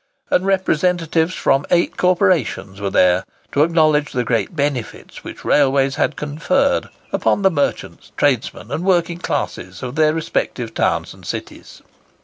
And representatives from eight corporations were there to acknowledge the great benefits which railways had conferred upon the merchants, tradesmen, and working classes of their respective towns and cities.